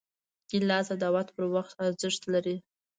ګیلاس د دعوت پر وخت ارزښت لري.